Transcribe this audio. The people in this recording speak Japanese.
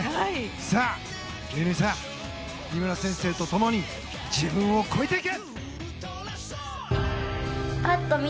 さあ、乾さん井村先生と共に自分を超えていけ！